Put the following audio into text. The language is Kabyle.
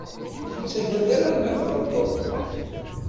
Ur ttaggad ara ma tɣelḍeḍ.